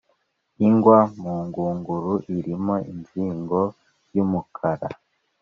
igwa mu ngunguru irimo inzigo y'umukara